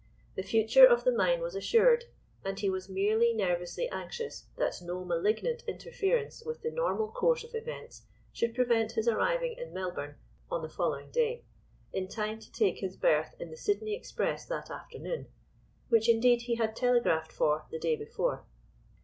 The future of the mine was assured, and he was merely nervously anxious that no malignant interference with the normal course of events should prevent his arriving in Melbourne on the following day, in time to take his berth in the Sydney Express that afternoon—which indeed he had telegraphed for the day before.